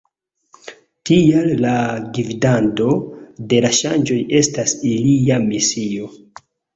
Tial la gvidado de la ŝanĝoj estas ilia misio.